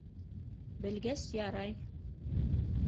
— Белгәс, ярай.